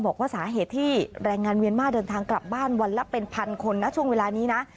บอกว่าสาเหตุที่แรงงานเมียนมาร์เดินทางกลับบ้านวันละเป็นพันคนนะช่วงเวลานี้นะ